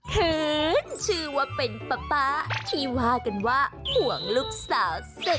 คืนชื่อว่าเป็นป๊าป๊าที่ว่ากันว่าห่วงลูกสาวสุด